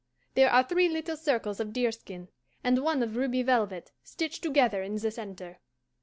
There are three little circles of deerskin and one of ruby velvet, stitched together in the centre.